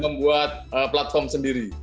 membuat platform sendiri